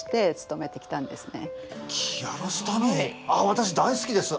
私大好きです。